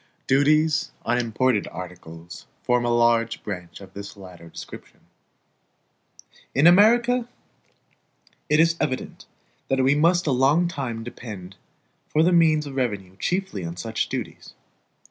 Duties on imported articles form a large branch of this latter description. In America, it is evident that we must a long time depend for the means of revenue chiefly on such duties.